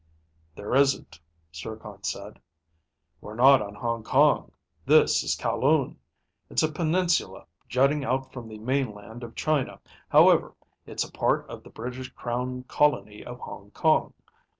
"There isn't," Zircon said. "We're not on Hong Kong. This is Kowloon. It's a peninsula jutting out from the mainland of China. However, it's a part of the British Crown Colony of Hong Kong.